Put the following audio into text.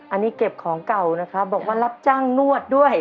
อันนี้เก็บของเก่านะครับบอกว่ารับจ้างนวดด้วย